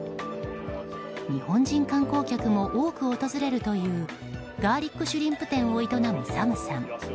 日本人観光客も多く訪れるというガーリックシュリンプ店を営むという、サムさん。